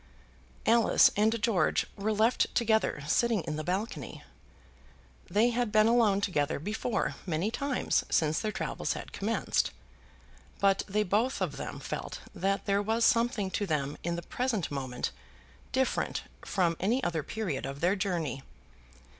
Alice and George were left together sitting in the balcony. They had been alone together before many times since their travels had commenced; but they both of them felt that there was something to them in the present moment different from any other period of their journey.